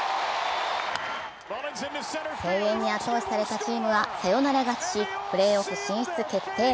声援に後押しされたチームはサヨナラ勝ちしプレーオフ進出決定。